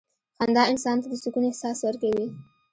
• خندا انسان ته د سکون احساس ورکوي.